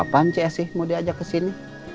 kapan cik esi mau diajak ke sini